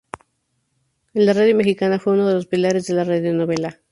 En la radio mexicana fue uno de los pilares de la radionovela.